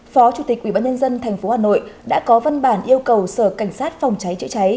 phó chủ tịch ubnd tp hà nội đã có văn bản yêu cầu sở cảnh sát phòng cháy chữa cháy